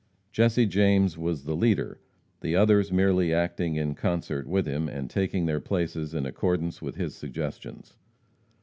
Jesse James was the leader, the others merely acting in concert with him, and taking their places in accordance with his suggestions.